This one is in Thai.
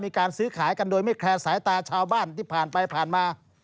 มีการซื้อขายกันโดยไม่แคร์สายตาชาวบ้านที่ผ่านไปผ่านมา